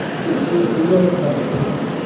Ur ttruḥu ara s axxam.